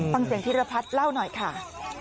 ปังเสียงธีรพัฒน์เล่าหน่อยค่ะ